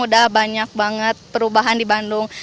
udah banyak banget perubahan di bandung